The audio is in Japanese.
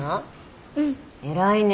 偉いね。